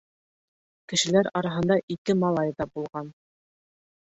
Кешеләр араһында ике малай ҙа булған.